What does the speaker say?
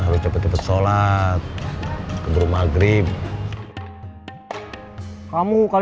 maunya cepet cepet magrib ya ka